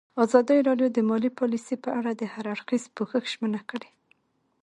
ازادي راډیو د مالي پالیسي په اړه د هر اړخیز پوښښ ژمنه کړې.